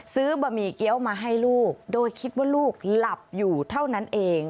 บะหมี่เกี้ยวมาให้ลูกโดยคิดว่าลูกหลับอยู่เท่านั้นเอง